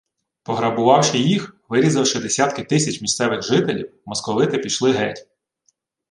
Пограбувавши їх, вирізавши десятки тисяч місцевих жителів, московити пішли геть